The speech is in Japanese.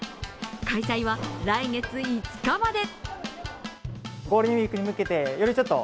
開催は来月５日まで。